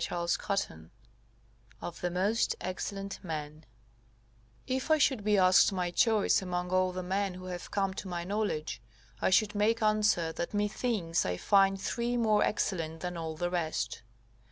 CHAPTER XXXVI OF THE MOST EXCELLENT MEN If I should be asked my choice among all the men who have come to my knowledge, I should make answer, that methinks I find three more excellent than all the rest.